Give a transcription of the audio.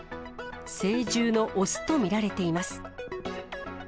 成獣の雄と見られています。